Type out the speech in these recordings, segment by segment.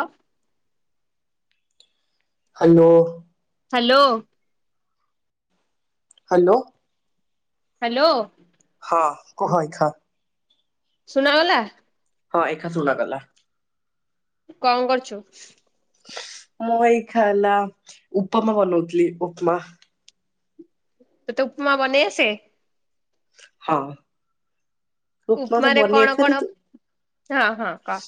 ଅ hello. Hello. Hello. Hello. ହଁ କୁହ ଏଖା। ଶୁଣାଗଲା? ହଁ ଏଖା ଶୁଣାଗଲା। କଣ କରଛୁ? ମୁଁ ଏଇଖା ହେଲା ଉପମା ବନୋଉଥିଲି ଉପମା। ତତେ ଉପମା ବନେଇ ଆସେ? ହଁ। ଉପମା ତ ଉପମାରେ ବନେଇ କଣ ଆସେ କଣ ରାଯେ ହଁ ହଁ କହ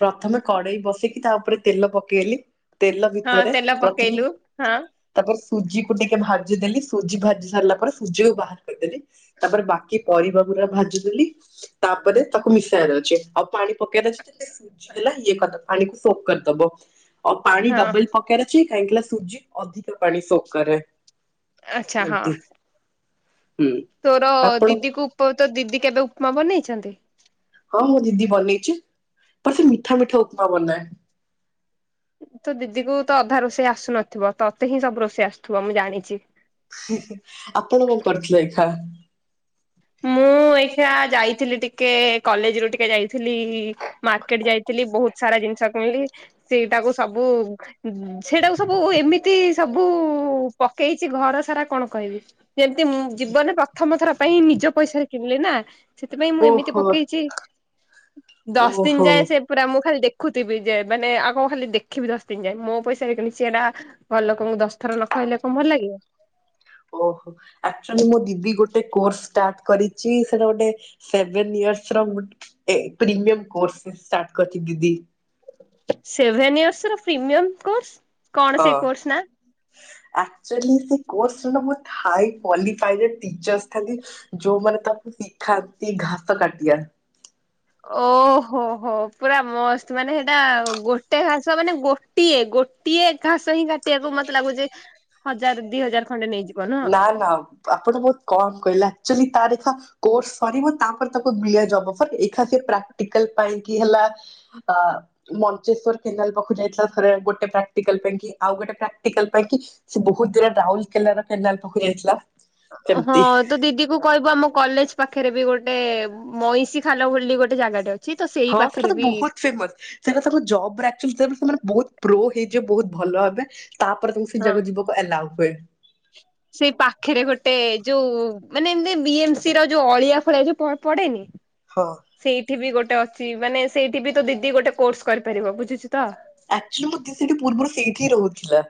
ପ୍ରଥମେ କଡେଇ ବସେଇଚି ତା ଉପରେ ତେଲ ପକେଇଲି ତେଲ ହଁ ଭିତରେ ତେଲ ପ୍ରଥମେ ପକେଇଲୁ ହଁ ତାପରେ ସୁଜିକୁ ଟିକେ ଭାଜିଦେଲି ସୁଜି ଭାଜି ସାରିଲା ପରେ ସୁଜିକୁ ବାହାର କରିଦେଲି ତାପରେ ବାକି ପରିବାଗୁରା ଭାଜି ଦେଲି ତାପରେ ତାକୁ ମିଶାଇବାର ଅଛି ଆଉ ପାଣି ପକେଇବାର ଅଛି। ସୁଜି ହେଲା ଇଏ କରିଦ ଆଣିକୁ ସୋକ କରିଦବ ଆଉ ପାଣି ହଁ ଡବଲ ପ କେଇବାର ଅଛି କାହିଁକି ନା ସୁଜି ଅଧିକ ପାଣି ସୋକ କରେ। ଆଚ୍ଛା ହଁ। ଏମତି। ହୁଁ ତୋର ଆପଣ ଦିଦିକୁ ଉପ ତୋ ଦିଦି କେବେ ଉପମା ବନେଇଛନ୍ତି? ହଁ ମୋ ଦିଦି ବନେଇଚି ପାସେ ମିଠା ମିଠା ଉପମା ବନାଏ। ତୋ ଦିଦିକୁ ତ ଅଧା ରୋଷେଇ ଆସୁନଥିବ ତତେ ହିଁ ସବୁ ରୋଷେଇ ଆସୁଥୁବ ମୁଁ ଜାଣିଚି। ହି ହି ଆପଣ କଣ କରିଥିଲେ ଏଖା? ମୁଁ ଏଇଖା ଯାଇଥିଲି ଟିକେ କଲେଜରୁ ଟିକେ ଯାଇଥିଲି ମାର୍କେଟ ଯାଇଥିଲି ବୋହୁତ ସାରା ଜିନଷ କିଣିଲି ସେଇଟାକୁ ସବୁ ଉଁ ସେଇଟାକୁ ସବୁ ଏମିତି ସବୁ ପକେଇଚି ଘର ସାରା କଣ କହିବି। ଯେମତି ଉଁ ଜୀବନରେ ପ୍ରଥମ ଥର ପାଇଁ ନିଜ ପଇସାରେ କିଣଲେ ନା ସେଥିପାଇଁ ମୁଁ ଏମିତି ଓହୋ ପକେଇଚି ଦଶ ଦିନ ଓହୋ। ଯାଏଁ ସେ ପୁରା ମୁଁ ଖାଲି ଦେଖୁଥିବି ଯେ ମାନେ ଆଉ କଁ ଖାଲି ଦେଖିବି ଦଶ ଦିନ ଯାଏଁ ମୋ ପଇସାରେ କିଣିଚି ହେରା ଘରଲୋକଙ୍କୁ ଦଶ ଥର ନ କହିଲେ କଣ ଭଲ ଲାଗିବ। ଓହୋ ଆକଚୋଲି ମୋ ଦିଦି ଗୋଟେ କୋର୍ସ ଷ୍ଟାର୍ଟ କରିଚି ସେଟା ଗୋଟେ ସେଭେନ ଇୟରସର ଗୋଟ୍ ଏ ପ୍ରିମିୟର କୋର୍ସଟେ ଷ୍ଟାର୍ଟ କରିଚି ଦିଦି। ସେଭେନ ଇୟର୍ସର ପ୍ରିମିୟମ୍ କୋର୍ସ କଣ ସେ କୋର୍ସ ନାଆ? ଆକଚୋଲି ସେ କୋର୍ସରେ ନା ବୋହୁତ ହାଇ କ୍ୱାଲିଫାୟାର ଟିଚରସ୍ ଥାଆନ୍ତି। ଯୋଉମାନେ ତାକୁ ଶିଖାନ୍ତି ଘାସ କାଟିବା। ଓହୋ ହୋ ପୁରା ମସ୍ତ ମାନେ ହେଟା ଗୋଟେ ଘାସ ମାନେ ଗୋ ଟିଏ ଗୋଟିଏ ଘାସ ହିଁ କାଟିବାକୁ ମତେ ଲାଗୁଚି ହଜାର ଦିଇ ହଜାର ଖଣ୍ଡେ ନେଇଯି ନା ନା ଆପଣ ବୋହୁତ କମ୍ କହିଲେ ଆକଚୋଲି ତାରିଖ କୋର୍ସ ସରିବ ତାପରେ ତାକୁ ମିଳେ ଯବ ଅଫର ଏଏ ଖା ସେ ପ୍ରାକ୍ଟିକାଲ ପାଇଁ କି ହେଲା ଅ ମଞ୍ଚେଶ୍ୱର କେନାଲ ପାଖକୁ ଯାଇଥିଲା ଥରେ ଗୋଟେ ପ୍ରାକ୍ଟିକାଲ ପାଇଁ କି ଆଉ ଗୋଟେ ପ୍ରାକ୍ଟିକାଲ ପାଇଁ କି ସେ ବୋହୁତ ଦୂର ରାଉରକେଲାର କେନାଲ ପାଖକୁ ଯାଇଥିଲା। ହଁ ସେମିତି ତୋ ଦିଦି ତୁ କହିବୁ ଆମ କଲେଜ ପାଖେରେ ବି ଗୋଟେ ମଇଁଷି ଖାଲ ବୋଲି ଗୋଟେ ଜାଗାଟେ ଅ ହଁ ସେଟାତ ବୋହୁତ ଫେମସ ସେଇଟା ତାଙ୍କ ଜବରେ ଆକଚୋଲି ସେମାନେ ବୋହୁତ ପ୍ରୋ ହେଇଯିବେ ବୋହୁତ ଭଲ ହେବ ତାପରେ ତମେ ସେଇ ହଁ। ଯାଗାକୁ ଯିବ ଏଲାଉ ହୁଏ। ସେଇ ପାଖେରେ ଗୋଟେ ଯୋଉ ମାନେ ଏମତି ବି ଏମ୍ ସିର ଯୋଉ ଅଳିଆ ଫଳିଆ ଯୋଉ ପ-ପଡେନି ହଁ। ସେଇଠି ବି ଗୋଟେ ଅଛି ମାନେ ସେଇଠି ବି ତୋ ଦିଦି ଗୋଟେ କୋର୍ସ କରିପାରିବ ବୁଝୁଚୁ ତ। ଆକଚୋଲି ମୋ ଦିଦି ସେଠି ପୂର୍ବରୁ ସେଇଠି ରହୁଥିଲା।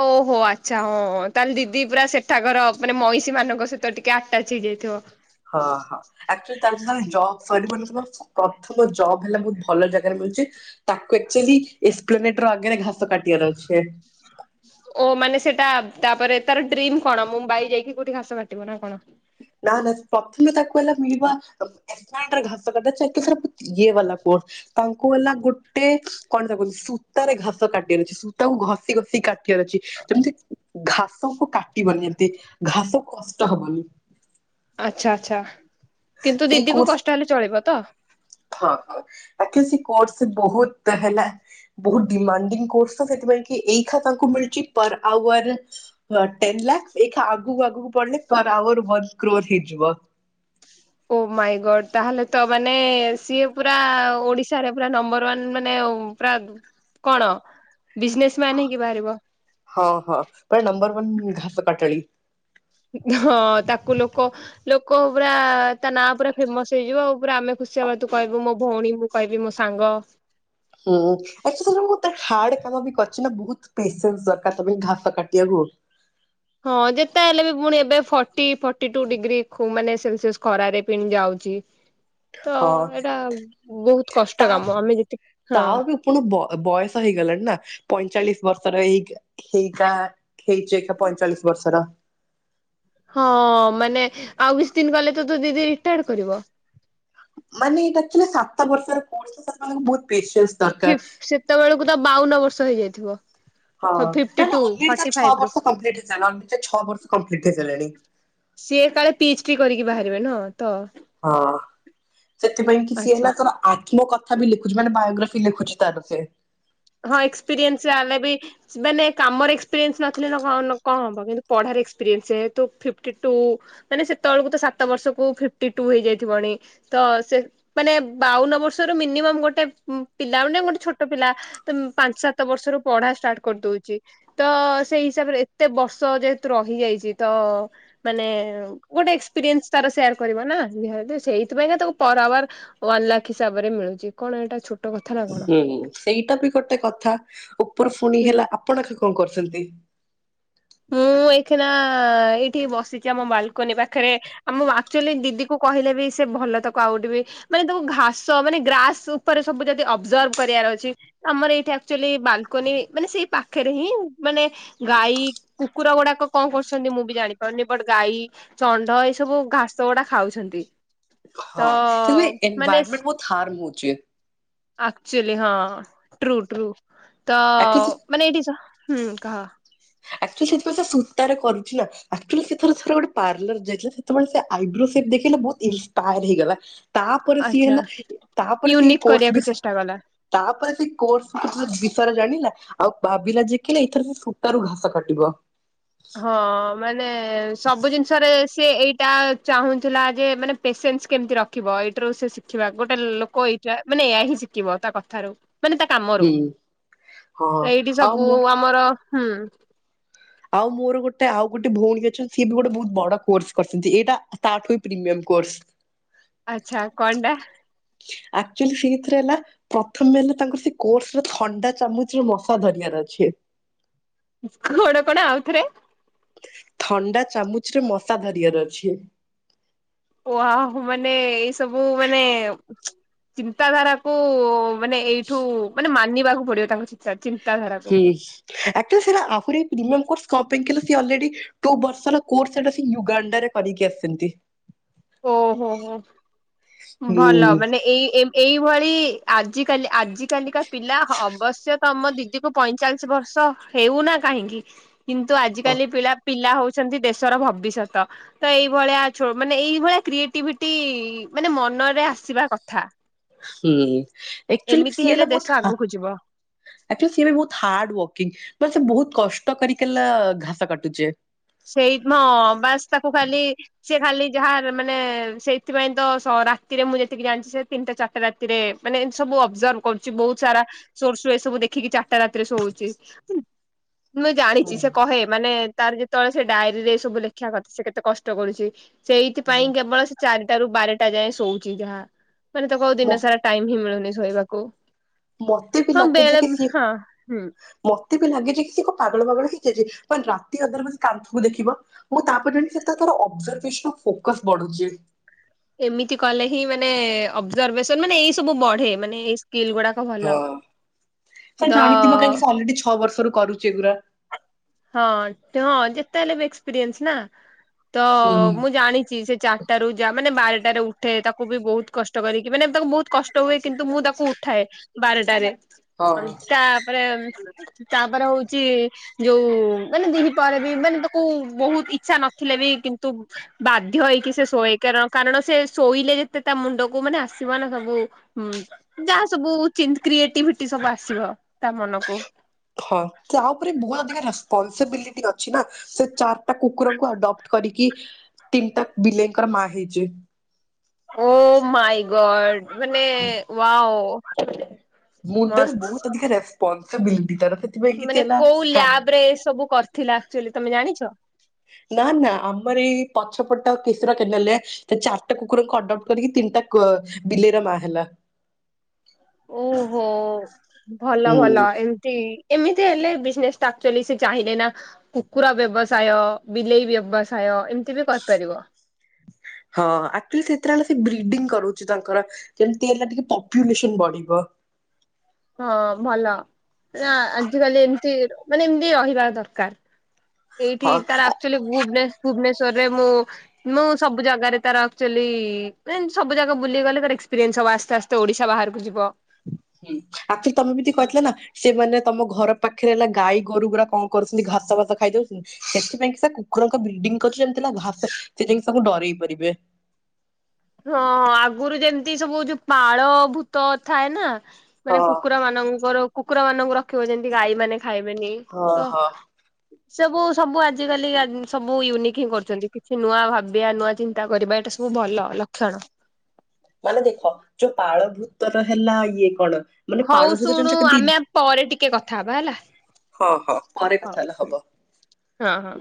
ଓହୋ ଆଚ୍ଛା ହଁ ତାହେଲେ ଦିଦି ପୁରା ସେଠାକାର ମାନେ ମଇଁଷି ମାନଙ୍କ ସହିତ ଟିକେ ଆଟାଚ ହେଇଯାଇଥିବ। ହଁ ହଁ ଆକ୍ଚୁଆଲି ତାର ଯେତେବେଳେ ଜବ୍ ସରିବନି ତ ପ୍ରଥମ ଜବ ହେଲା ବହୁତ ଭଲ ଜାଗାରେ ମିଳୁଛି ତାକୁ ଆକ୍ଚୁଆଲି ଏକ୍ସପ୍ଲେନେଟର ଆଗରେ ଘାସ କାଟିବାର ଅଛି ଓ ମାନେ ସେଟା ତାପରେ ତାର ଡ୍ରିମ କଣ ମୁମ୍ବାଇ ଯାଇକି କୋଉଠି ଘାସ କାଟିବିନା କଣ? ନା ନା ପ୍ରଥମେ ତାକୁ ହେଲା ମିଳିବା ଏ ଘାସ କାଟାଯାଏ ଚାକିରି ଇଏ ବାଲା ପୋ ତାଙ୍କୁ ହେଲା ଗୋଟେ କଣ ତାକୁ ସୂତାରେ ଘାସ କାଟିବାର ଅଛି ସୂତାକୁ ଘଷି ଘଷି କାଟିବାର ଅଛି। ଯେମିତି ଘାସକୁ କାଟିବନି ଯେମିତି ଘାସକୁ କଷ୍ଟ ହବନି ଆଚ୍ଛା ଆଚ୍ଛା କିନ୍ତୁ ସେଇ ଦିଦି କୁ କୋର୍ସ କଷ୍ଟ ହେଲେ ଚଳିବତ ହଁ ହଁ ଆକ୍ଚୁଲି ସେକୋର୍ସ ବହୁତ ହେଲା ବହୁତ ଡୀମାଣ୍ଡିଁ କୋର୍ସତ ସେଥିପାଇଁକି ଏଇ ଖାତାଙ୍କୁ ମିଳୁଛି ପର ଆୱାର ଟେନ୍ ଲାକ୍ ଏଇଟା ଆଗକୁ ଆଗକୁ ପଢିଲେ ପର ଆୱାର ୱାନ କ୍ରୋର ହେଇଯିବ। ଓ ମାଇ ଗଡ ତାହେଲେତ ମାନେ ସିଏ ପୁରା ଓଡିଶାରେ ପୁରା ନମ୍ବର ୱାନ ମାନେ ପୁରା କଣ ବିଜନେସ ମାନ ହେଇକି ବାହାରିବ ହଁ ହଁ ପୁରା ନମ୍ବରୱାନ ଘାସ କଟାଳି ହଁ ତାକୁ ଲୋକ ଲୋକ ପୁରା ତାନାଁ ପୁରା ଫେମସ ହେଇଯିବ ଆଉ ପୁରା ଆମେ ଖୁସି ହେବା ତୁ କହିବୁ ମୋ ଭଉଣୀ କହିବି ମୋ ସାଙ୍ଗ ହୁଁ ଆକ୍ଚୁଲି ମୁଁ ତ ହାର୍ଡ କାମବି କରିଛିନା ବହୁତ ପେସେନ୍ସ ଦର ତ ପାଇ ଘାସ କାଟିବାକୁ ହଁ ଯେତେ ହେଲେବି ପୁଣି ଏବେ ଫଟି ଫଟିଟୁ ଡିଗ୍ରୀ ମାନେ ସେଲସିୟସ ଖରାରେ ପିଣି ଯାଉଛି। ତ ହଁ ଏଇଟା ବହୁତ କଷ୍ଟ କାମ ଆମେ ଯେତିକି ହଁ ପୁଣ ବୟସ ହେଇଗଲାଣିନା ପଇଁଚାଳିଶ ବର୍ଷର ଏଜ ଏଇଟା ହେଇଚି ଏକା ପଇଁଚାଳିଶ ବର୍ଷର ହଁ ମାନେ ଆଉ କିଛି ଦିନ ଗଲେତ ତୋ ଦିଦି ରିଟାଡ କରିବ। ମାନେ ଏଇଟା ଆକ୍ଚୁଲି ସାତ ବର୍ଷର କର୍ସ ମାନେ ବହୁତ ସ୍ପେସିଆଲ ଠିକ ସେତେବେଳକୁତ ବାଉନବର୍ଷ ହେଇଯାଇଥିବ। ହଁ ନାଇଁ ଫିଫ୍ଟି ନାଇଁ ଟୁ ଆଲରେଡି ଫର୍ଟି ତାର ଛଅ ଫାଇଭ ରୁ ବର୍ଷ କମ୍ପ୍ଲିଟ ହେଇଗଲାଣି ଛଅବର୍ଷ କମ୍ପଲିଟ ହେଇସାଇଲାଣି ସିଏ କାଳେ ପି ଚି ଡି କରିକି ବାହାରିବେ ନ ତ ହଁ ସେଥିପାଇଁ କିଛି ଆଚ୍ଛା। ହେଲା ତର ଆତ୍ମକ ତଥାବି ଲେଖୁଚି ମାନେ ବାୟୋଗ୍ରାଫି ଲେଖୁଛି ତାର ସେ ହଁ ଏକ୍ସପିରିଏନ୍ସ ଆମେବି ସେମାନେ କାମରେ ଏକ୍ସପିରିଏନ୍ସ ନଥିଲେ କଣ ହବ କିନ୍ତୁ ପଢାର ଏକ୍ସପିରିଏନ୍ସ ସେହେତୁ ଫିଫ୍ଟି ଟୁ ମାନେ ସେତେବେଳକୁ ତ ସାତ ବର୍ଷକୁ ଫିଫ୍ଟି ଟୁ ହେଇଯାଇ ଥିବଣି ତ ସେ ମାନେ ବାଉନ ବର୍ଷରୁ ମିନିମମ ଗୋଟେ ପିଲା ମାନେ ଗୋଟେ ଛୋଟ ପିଲା ତ ପାଞ୍ଚ ସାତ ବର୍ଷରୁ ପଢା ଷ୍ଟାର୍ଟ କରିଦଉଛି ତ ସେଇ ହିସାବରେ ଏତେ ବର୍ଷ ଯେହେତୁ ରହିଯାଇଛି ତ ମାନେ ଗୋଟେ ଏକ୍ସପିରିଏନ୍ସ ତାର ସେୟାର କରିବନା ସେଇଥିପାଇଁ କା ତାକୁ ପର ଆୱାର ୱାନ ଲାଖ ହିସାବରେ ମିଳୁଛି କଣ ଏଇଟା ଛୋଟ କଥା ନା କଣ ହୁଁ ସେଇଟା ବି ଗୋଟେ କଥା ଉପର ପୁଣି ହୁଁ। ହେଲା ଆପଣ କଣ କରୁଛନ୍ତି? ମୁଁ ଏଇଖିନା ଏଇଠି ବସିଛି ଆମ ବାଲକୋନି ପାଖରେ ଆ ମୁଁ ଆକ୍ଚୁଆଲି ଦିଦି କୁ କହିଲେ ବି ସେ ଭଲ ତାକୁ ଆଉଠି ବି ମାନେ ତମ ଘାସ ମାନେ ଗ୍ରାସ ଉପରେ ସବୁ ଯଦି ଅବଜର୍ଭ କରିବାର ଅଛି ଆମର ଏଇଠି ଆକ୍ଚୁଆଲି ବାଲକୋନି ମାନେ ସେଇ ପାଖରେ ହିଁ ମାନେ ଗାଈ କୁକୁର ଗୁଡାକ କଣ କରୁଛନ୍ତି ମୁଁ ବି ଜାଣିପାରୁନି ବଟ ଗାଈ ଷଣ୍ଡ ଏଇ ସବୁ ଘାସ ଗୁଡା ଖାଉଛନ୍ତି ତ ମାନେ ଥାର୍ମ ହେଉଛେ ଆକ୍ଚୁଆଲି ହଁ ଟ୍ରୁ ଟ୍ରୁ ତ ଆକ୍ଚୁଆଲି ମାନେ ଏଇଠି ଜ ହଁ ଆକ୍ଚୁଆଲି ସେ ସୂତାରେ କରୁଥିଲା। ଆକ୍ଚୁଲି ସେର ଥର ଗୋଟେ ପାର୍ଲର ଯାଇଥିଲା ସେତେବେଳେ ସେ ଆଇବ୍ରୋ ସେପ ଦେଖିକିନା ବୋହୁତ ଇନ୍ସପାୟାର ହେଇଗଲା। ତାପରେ ସିଏ ଆଚ୍ଛା ହେଲା ତାପରେ ସିଏ ୟୁନିକ୍ କୋର୍ସ କରିବାକୁ ବିସ ଚେଷ୍ଟା କଲା। ତାପରେ ସେ କୋର୍ସ ବିଷୟରେ ଜାଣିଲା ଆଉ ଭାବିଲା ଜେଖିଲେ ଏଥରେ ସେ ସୂତା ରୁ ଘସ କଟିବ। ହଁ ମାନେ ସବୁ ଜିନିଷରେ ସେ ଏଇଟା ଚାହୁଁଥିଲା ଯେ ମାନେ ପେସେନ୍ସ କେମିତି ରଖ ଶିଖିବ ଏଇଟାରୁ ସେ ଶିଖିବା ଗୋଟେ ଲୋକ ଏଇଟା ମାନେ ଏୟା ହିଁ ଶିଖିବ ତା କଥାରୁ। ମାନେ ତା କାମରୁ ହୁଁ ହଁ ଏଇଟି ଆଉ ସବୁ ମୁଁ ଆମର ହୁଁ। ଆଉ ମୋର ଗୋଟେ ଆଉ ଗୋଟେ ଭଉଣୀ ଅଛନ୍ତି ସଏ ବି ଗୋଟେ ବୋହୁତ ବଡ କୋର୍ସ କରିଛନ୍ତି ଏଇଟା ତାଠୁ ହୁଏ ପ୍ରିମିୟମ କୋର୍ସ। ହ [unintelligible] ଆଚ୍ଛା କଣଟା। ଆକ୍ଚୁଲି ସେଇଥିରେ ହେଲା ପ୍ରଥମେ ହେଲେ ତାଙ୍କୁ ସେ କୋର୍ସ ରେ ଥଣ୍ଡା ଚାମଚ ରେ ମଶା ଧରିବାର ଅଛି। କଣ କଣ ଆଉଥରେ। ଥଣ୍ଡା ଚାମୁଚ ରେ ମଶା ଧରିବାର ଅଛି। ୱାଓ ମାନେ ଏଇ ସବୁ ମାନେ ଚିନ୍ତାଧାରାକୁ ମାନେ ଏଇଠୁ ମାନେ ମାନିବାକୁ ପଡିବ ତାଙ୍କ ଚିନ୍ତାଧାରାକୁ ହୁଁ ଆକ୍ଚୁଲି ସେଟା ଆହୁରି ପ୍ରିମିୟମ କୋର୍ସ କଣ ପାଇଁ ସିଏ ଅଲରେଡି ଟୁ ବର୍ଷର କୋର୍ସ ସେଟା ସେ ୟୁଗାଣ୍ଡାରେ କରିକି ଆସିଚନ୍ତି। ଓହୋ ହୋ ହୁଁ ଭଲ ମାନେ ଏଇ ଏଇଭଳି ଆ ଜିକାଲି ଆଜିକାଲିକା ପିଲା ଅବଶ୍ୟ ତମ ଦିଦି କୁ ପଇଁଚାଳିଶ ବର୍ଷ ହେଉନା କାହିଁକି କିନ୍ତୁ ଆଜିକାଲି ପିଲା ପିଲା ହଉଚି ଚନ୍ତି ଦେଶର ଭବିଷ୍ୟତ ତ ଏଇଭଳିଆ ଛୁ ମାନେ ଏଇ ସେ ଭଳିଆ କ୍ରିଏଟିଭିଟି ମାନେ ମନରେ ଆସିବା କଥା। ହୁଁ ଆକ୍ଚୁଲି ଏମିତି ସିଏ ହେଲେ ହେଲା ଦେଶ ବୋହୁତ ହା ଆଗକୁ ଯିବ ଆକ୍ଚୁଲି ସିଏ ବି ବୋହୁତ ହାର୍ଡ ୱାର୍କିଂ ବା ସେ ବୋହୁତ କଷ୍ଟ କରିକଲା ଘାସ କାଟୁଚେ। ସେଇ ମ ବାସ୍ ତାକୁ ଖାଲି ସେ ଖାଲି ଯାହା ମାନେ ସେଇଥିପାଇଁ ତ ରାତିରେ ମୁଁ ଯେତିକି ଜାଣିଚି ସେ ତିନିଟା ଚାରି ଚାରିଟା ରାତିରେ ମାନେ ଏମତି ସବୁ ଅବଜର୍ଭ କରୁଚି ବହୁତ ସାରା ସୋର୍ସ ଏ ସବୁ ଦେଖିକି ଚାରିଟା ରାତିରେ ଶୋଉଚିଶ ମୁଁ ଜାଣିଚି ସେ କହେ ମାନେ ତାର ଯେ ତଳେ ସେ ଡାଏରୀରେ ସବୁ ଲେଖା କଥା ସେ କେତେ କଷ୍ଟ କରୁଚି ସେଇଥିପାଇଁ କେବଳ ଚାରିଟା ରୁ ବାରଟା ଯାଏଁ ଶୋଉଚି ଯାହା ମାନେ ତାକୁ ଆଉ ମତେ ଦିନ ସାରା ଟାଇମ ହିଁ ମିଳୁନି ଶୋଇବାକୁ। ମତେ ହଁ ବେଳେ କି ସିଏ ହଁ ହୁଁ। ମତେ ବି ଲାଗେ ଯେ କି ସେ କଣ ପାଗଳ ଫାଗଳ ହେଇଯାଇଚି ରାତି ଅଧରେ ପୁଣି କାନ୍ଥକୁ ଦେଖିବ। ମୁ ତାପରେ ସେ ତାର ଅଭର୍ଜଭେସନ ଫୋକସ ବଢୁଚି। ଏମିତି କଲେ ହିଁ ମାନେ ଅବର୍ଜଭେସନ ମାନେ ଏଇ ସବୁ ବଢେ ମାନେ ଏଇ ସ୍କିଲ୍ ଗୁଡା ହଁ ସେ ଜାଣିଥିବ କାହିଁକି ସେ ଅଲରେଡି ଛଅ ବର୍ଷରୁ କରୁଚି ଏଗୁଡା। ହଁ ହଁ ଯେତେ ହେଲେ ବି ଏକ୍ସପିରିଏନ୍ସ ନା। ତ ହୁଁ ମୁଁ ଜାଣିଚି ସେ ଚାରିଟା ରୁ ଯାହା ମାନେ ବାରଟାରେ ଉଠେ ତାକୁ ବି ବୋହୁତ କଷ୍ଟ କରିକି ମାନେ ତାକୁ ବୋହୁତ କଷ୍ଟ ହୁଏ କିନ୍ତୁ ମୁଁ ତାକୁ ଉଠାଏ। ବାରଟାରେ ହଁ। ତାପରେ ତାପରେ ହୋଉଚି ଯୋଉ ମାନେ ଦିହି ପରେ ବି ମାନେ ତାକୁ ବୋହୁତ ଇଛା ନଥିଲେ ବି କିନ୍ତୁ ବାଧ୍ୟ ହେଇକି ସେ ଶୋଏ କାରଣ କାରଣ ସେ ଶୋଇଲେ ଯେତେ ତା ମୁଣ୍ଡକୁ ମାନେ ଆସିବ ନା ସବୁ ହୁଁ ଯାହା ସବୁ କ୍ରିଏଟିଭିଟି ସବୁ ଆସିବ ତା ମନକୁ। ହଁ ତା ଉପରେ ବୁଆ ଅଧିକ ରେସ୍ପନସିବିଲିଟି ଅ ଅଛି ନା ସେ ଚାରିଟା କୁକୁରଙ୍କୁ ଆଡପ୍ଟ କରିକି ତିନିଟା ବିଲେଇଙ୍କର ମା ହେଇଚି। ଓ ମାଇ ଗଡ୍ ମାନେ ୱାଉ। ମୁଣ୍ଡର ବୋହୁତ ଅଧିକା ରେସପନସିବିଲିଟି ତାର ସେ ସେଥିପାଇଁ କି ମାନେ ହେଲା କୋଉ ହ୍ୟାଣ୍ଡ ଲ୍ୟାବ ରେ ଏ ସବୁ କରିଥିଲା ଆକ୍ଚୁଲି ତମେ ଜାଣିଚ। ନା ନା ଆମର ଏଇ ପଛପଟ କିଶର କେ ନେ ଲେ ତା ଚାରିଟା କୁକୁରଙ୍କୁ ଅଟ ଆଉଟ୍ କରିକି ତିନିଟା ବିଲେଇର ମା ହେଲା। ଓହୋ ଭଲ ହୁଁ ଭଲ ଏମିତି ଏମିତି ହେଲେ ବିଜ୍ ନେଶ୍ ଟା ଆକକ୍ଚୁଲି ସେ ଚାହିଁଲେ ନା କୁକୁରା ବ୍ୟବସାୟ ବିଲେଇ ବ୍ୟବସାୟ ଏମିତି ବି କରିପାରିବ। ହଁ ଆକକ୍ଚୁଲି ସେଥିରେ ହେଲା ସେ ବ୍ରିଡିଙ୍ଗ କରୁଛି ତାଙ୍କର କେମିତି ହେଲେ ଟିକେ ପପୁଲେସନ ବଢିବ। ହଁ ଭଲ ନା ଆଜିକାଲି ଏମିତି ମାନେ ଏମିତି ରହିବା ଦରକାର୍। ଏଇଠି ହଁ ତାର ଆକ୍ଚୁଆଲି ଗୁବ୍ଲେସ ଭୁବନେଶ୍ଵରରେ ମୁଁ ମୁଁ ସବୁ ଜାଗାରେ ତାର ଆକ୍ଚୁଆଲି ଦେନ ସବୁ ଜାଗା ବୁଲି ଗଲେ ତାର ଏକ୍ସପିରିଏନ୍ସ ହବ ଆସ୍ତେ ଆସ୍ତେ ତ ଓଡିଶା ବାହାରକୁ ଯିବ। ହୁଁ ଆକକ୍ଚୁଲି ତମେ ବି ଟିକେ କହିଥିଲ ନା ସେମାନେ ତମ ଘର ପାଖେରେ ହେଲା ଗାଈ ଗୋରୁ ଗୁୁରା କଣ କରୁଛନ୍ତି ଘାସ ଫାସ ଖାଇ ଦଉଛନ୍ତି। ସେଥିପାଇଁ କି ସେ କୁକୁରଙ୍କ ବଲ୍ଡିଙ୍ଗି କରିଛି ଯେମିତିଥିଲା ଘାସ ସେ ଯାଇି ତାକୁ ଡରେଇ ପାରିବେ। ହଁ ଆଗୁରୁ ଯେମିତି ସବୁ ଯଉ ପାଳ ଭୂତ ଥାଏ ନା। ମାନେ ହଁ କୁକୁର ମାନଙ୍କର କୁକୁର ମାନଙ୍କୁ ରଖିବ ଯେମତି ଗାଈ ମାନେ ଖାଇବେନି ହଁ ତ [inaudible] ସବୁ ସବୁ ଆଜିକାଲି ଆଜ ସବୁ ୟୁନିକି ହିଁ କରୁଛନ୍ତି କିଛି ନୂଆ ଭାବିବା ନୂଆ ଚିନ୍ତା କରିବା ଏଟା ସ ତୁ ଭଲ ଲକ୍ଷଣ। ମାନେ ଦେଖ ଯୋଉ ପାଳଭୂତର ହେଲା ଇଏ କଣ? ମାନେ ହଉ ପାଳ ଭୂତ ଶୁଣୁ ଜାଣିଛ କେମିତି ଆମେ ପରେ ଟିକେ କଥା ହେବା ହେଲା। ହଁ ହଁ ପରେ ହଉ କଥା ହେଲେ ହବ। ହଁ ହଁ।